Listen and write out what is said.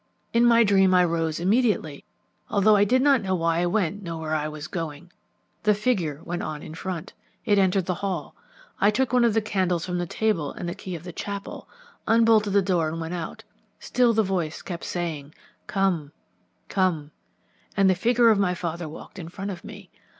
In my dream I rose immediately, although I did not know why I went nor where I was going. The figure went on in front, it entered the hall. I took one of the candles from the table and the key of the chapel, unbolted the door and went out. Still the voice kept saying 'Come, come,' and the figure of my father walked in front of me.